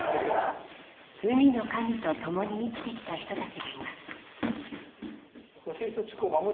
海の神と共に生きてきた人たちがいます